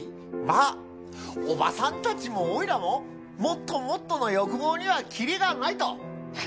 まあおばさんたちもおいらももっともっとの欲望にはキリがないと。